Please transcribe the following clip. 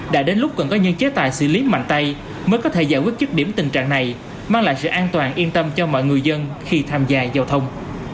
đã đến lúc cần có những chế tài xử lý mạnh tay mới có thể giải quyết chức điểm tình trạng này mang lại sự an toàn yên tâm cho mọi người dân khi tham gia giao thông